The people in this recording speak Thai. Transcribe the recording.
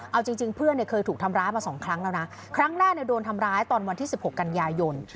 เอาจริงเพื่อนเนี่ยเคยถูกทำร้ายมาสองครั้งแล้วนะครั้งแรกเนี่ยโดนทำร้ายตอนวันที่๑๖กันยายน